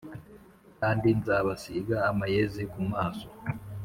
kandi nzabasīga amayezi ku maso